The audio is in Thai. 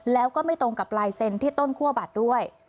แล้วก็ไม่ตรงกับลายเซ็นที่ต้นคั่วบัตรด้วย